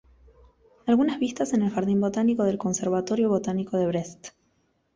Algunas vistas en el jardín botánico del ""Conservatorio Botánico de Brest"".